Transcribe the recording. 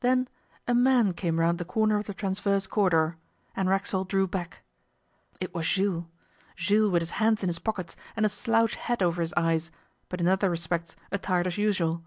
Then a man came round the corner of the transverse corridor, and Racksole drew back. It was Jules Jules with his hands in his pockets and a slouch hat over his eyes, but in other respects attired as usual.